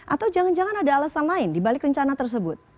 atau jangan jangan ada alasan lain dibalik rencana tersebut